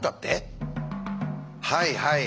はいはい